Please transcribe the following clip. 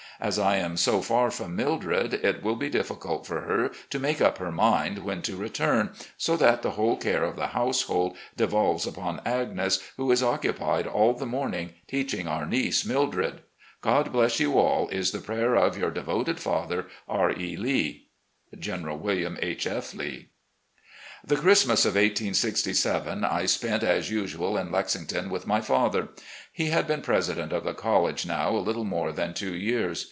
As I am so far from Mildred, it will be difficult for her to make up her mind when to return, so that the whole care of the household devolves upon Agnes, who is occupied aU the morning, teaching our niece, Mildred. ... God bless you aU is the prayer of Your devoted father, R. E. Lbb. "Gbnbral Wm. H. F. Lee." 294 RECOLLECTIONS OP GENERAL LEE The Christinas of 1867 I spent, as usual, in Lexington ■with my father. He had been president of the college now a little more than two years.